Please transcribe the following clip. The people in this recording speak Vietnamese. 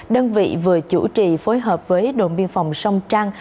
đơn vị vừa chủ trì phối hợp với đội biên phòng sông trăng